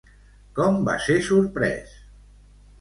Com va ser sorprès?